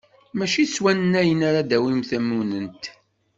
Mačči s wannayen ara d-tawim timunnent.